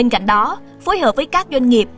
tại đó phối hợp với các doanh nghiệp